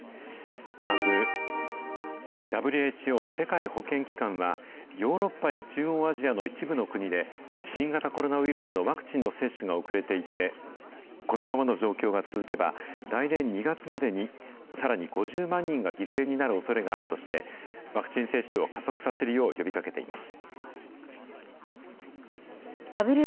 まず、ＷＨＯ・世界保健機関はヨーロッパや中央アジアの一部の国で、新型コロナウイルスのワクチンの接種が遅れていて、このままの状況が続けば、来年２月までに、さらに５０万人が犠牲になるおそれがあるとして、ワクチン接種を加速させるよう呼びかけています。